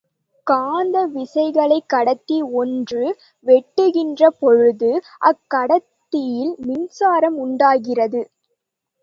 காந்த விசைகளைக் கடத்தி ஒன்று வெட்டுகின்ற பொழுது, அக்கடத்தியில் மின்சாரம் உண்டாகிறது.